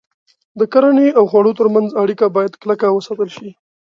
د کرنې او خوړو تر منځ اړیکه باید کلکه وساتل شي.